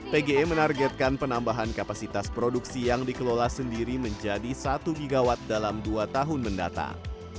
pge menargetkan penambahan kapasitas produksi yang dikelola sendiri menjadi satu gigawatt dalam dua tahun mendatang